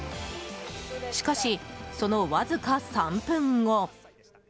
しかし、そのわずか３分後。